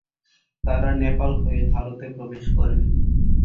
তাঁরা নেপাল হয়ে ভারতে প্রবেশ করেন।